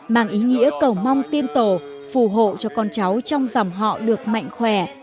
mang ý nghĩa cầu mong tiên tổ phù hộ cho con cháu trong dòng họ được mạnh khỏe